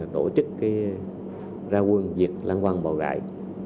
tổ chức ra quân diệt lăng quăng bầu gãi